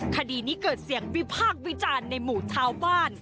คดีนี้เกิดเสียงวิพากษ์วิจารณ์ในหมู่ชาวบ้าน